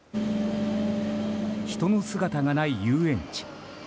人の姿がない遊園地。